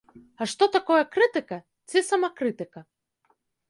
А што такое крытыка ці самакрытыка?